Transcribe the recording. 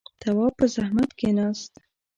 تواب په زحمت کېناست.